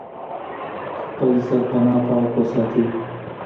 خپل سرپناه پاک وساتئ.